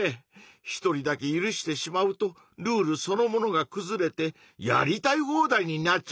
一人だけ許してしまうとルールそのものがくずれてやりたい放題になっちゃいそうだよね。